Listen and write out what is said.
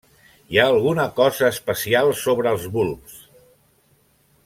Hi ha alguna cosa especial sobre els bulbs.